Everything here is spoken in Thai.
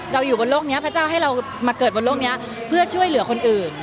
อยู่บนโลกนี้พระเจ้าให้เรามาเกิดบนโลกนี้เพื่อช่วยเหลือคนอื่น